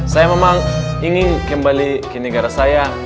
saya memang ingin kembali ke negara saya